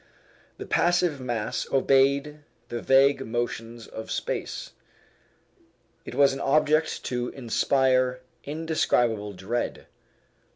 The passive mass obeyed the vague motions of space. It was an object to inspire indescribable dread.